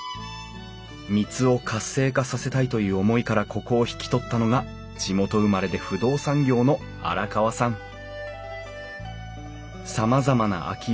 三津を活性化させたいという思いからここを引き取ったのが地元生まれで不動産業の荒川さん。